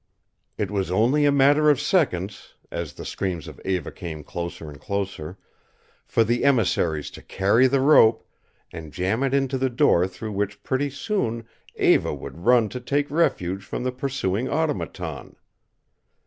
It was only a matter of seconds, as the screams of Eva came closer and closer, for the emissaries to carry the rope and jam it into the door through which pretty soon Eva would run to take refuge from the pursuing Automaton.